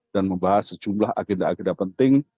dan membahas sejumlah agenda agenda penting